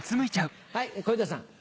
はい小遊三さん。